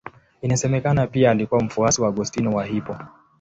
Inasemekana pia alikuwa mfuasi wa Augustino wa Hippo.